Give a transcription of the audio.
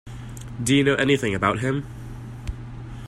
Do you know anything about him?